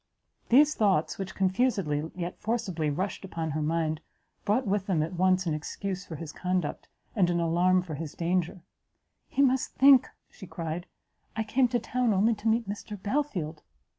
These thoughts, which confusedly, yet forcibly, rushed upon her mind, brought with them at once an excuse for his conduct, and an alarm for his danger; "He must think," she cried, "I came to town only to meet Mr Belfield!"